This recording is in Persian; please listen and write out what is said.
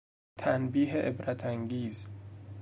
تنبیه عبرت انگیز